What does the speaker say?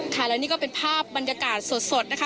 ค่ะแล้วนี่ก็เป็นภาพบรรยากาศสดนะคะ